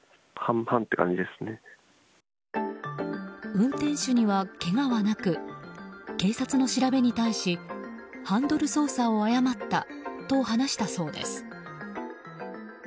運転手には、けがはなく警察の調べに対しハンドル操作を誤ったと話したそうです。